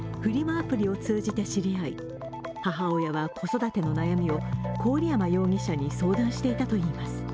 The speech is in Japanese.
アプリを通じて知り合い母親は子育ての悩みを郡山容疑者に相談していたといいます。